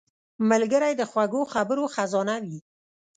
ملګری د خوږو خبرو خزانه وي